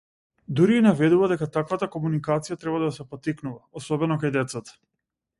Дури и наведува дека таквата комуникација треба да се поттикнува, особено кај децата.